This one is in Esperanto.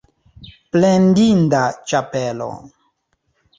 Plendinda ĉapelo!